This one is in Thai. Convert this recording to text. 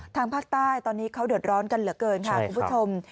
ทางภาคใต้ตอนนี้เขาเดือดร้อนกันเหลือเกินค่ะคุณผู้ชม